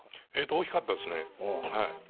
大きかったですねはい。